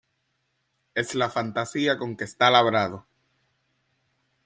es la fantasía con que está labrado.